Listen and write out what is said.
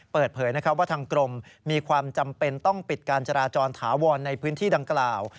เปิดเผยว่าทางกรมมีความจำเป็นต้องปิดการจราจรถาวรในพื้นที่ดังกล่าว